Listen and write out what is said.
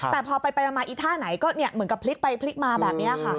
แต่พอไปมาอีท่าไหนก็เหมือนกับพลิกไปพลิกมาแบบนี้ค่ะ